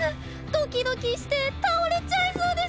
ドキドキしてたおれちゃいそうです！